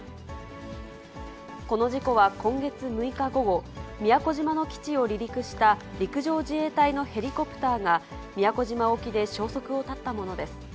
この事故は今月６日午後、宮古島の基地を離陸した陸上自衛隊のヘリコプターが、宮古島沖で消息を絶ったものです。